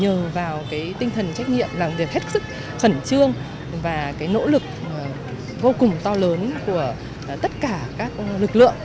nhờ vào tinh thần trách nhiệm làm việc hết sức khẩn trương và nỗ lực vô cùng to lớn của tất cả các lực lượng